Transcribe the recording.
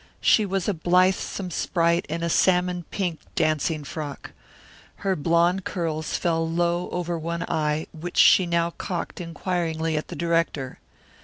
She was a blithesome sprite in a salmon pink dancing frock. Her blonde curls fell low over one eye which she now cocked inquiringly at the director.